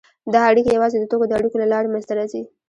دا اړیکې یوازې د توکو د اړیکو له لارې منځته راځي